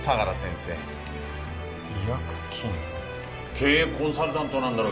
経営コンサルタントなんだろう？